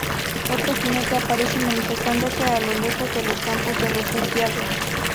Otro jinete aparece manifestándose a lo lejos de los campos de refugiados.